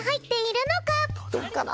どうかな？